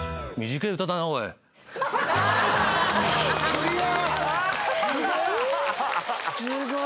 クリア。